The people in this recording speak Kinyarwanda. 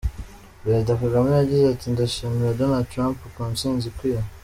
Perezida Kagame yagize ati “Ndashimira Donald Trump ku ntsinzi ikwiye.